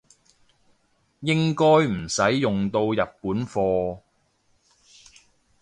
應該唔使用到日本貨